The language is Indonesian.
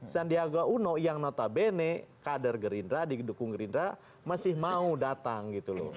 sandiaga uno yang notabene kader gerinda di dukung gerinda masih mau datang